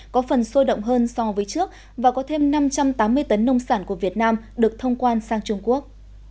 có phần sôi động hơn so với trước và có thêm năm trăm tám mươi tấn nông sản của việt nam được thông quan sang trung quốc